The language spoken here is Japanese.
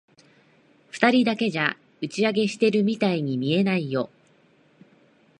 二人だけじゃ、打ち上げしてるみたいに見えないよ。